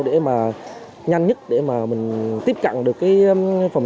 để nhanh nhất tiếp cận được phòng